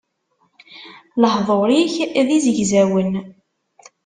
Lehdur-ik d izegzawen.